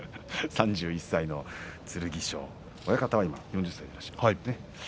３１歳の剣翔親方は今、４０歳でいらっしゃいます。